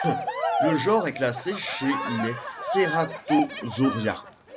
Le genre est classé chez les Ceratosauria.